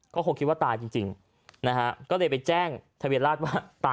ก็คงคิดว่าตายจริงนะฮะก็เลยไปแจ้งทะเบียนราชว่าตาย